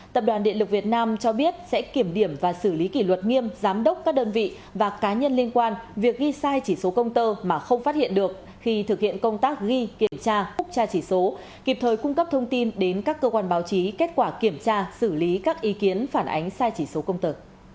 tập đoàn điện lực việt nam cho biết sẽ kiểm điểm và xử lý kỷ luật nghiêm giám đốc các đơn vị và cá nhân liên quan việc ghi sai chỉ số công tơ mà không phát hiện được khi thực hiện công tác ghi kiểm tra úc tra chỉ số kịp thời cung cấp thông tin đến các cơ quan báo chí kết quả kiểm tra xử lý các ý kiến phản ánh sai chỉ số công tơ